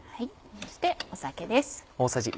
そして酒です。